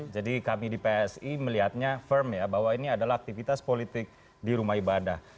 jadi kami di psi melihatnya firm ya bahwa ini adalah aktivitas politik di rumah ibadah